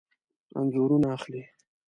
انځورونه اخلئ؟